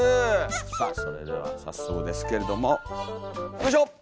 さあそれでは早速ですけれどもよいしょ！